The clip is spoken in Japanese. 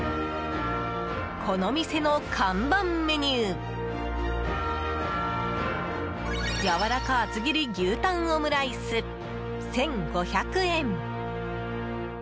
この店の看板メニューやわらか厚切り牛タンオムライス１５００円。